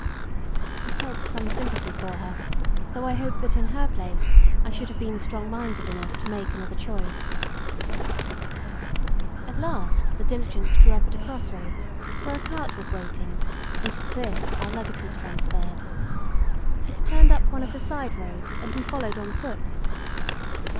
I felt some sympathy for her, though I hope that in her place I should have been strong minded enough to make another choice. At last the diligence drew up at crossroads, where a cart was waiting, and to this our luggage was transferred. It turned up one of the side roads, and we followed on foot.